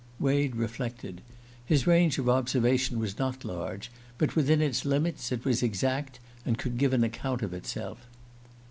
Wade reflected. His range of observation was not large, but within its limits it was exact and could give an account of itself.